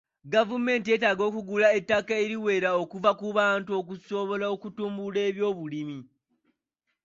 Gavumenti yetaaga okugula ettaka eriwera okuva ku bantu okusobola okutumbula eby'obulimi.